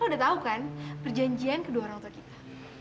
lu udah tahu kan perjanjian kedua orang tua kita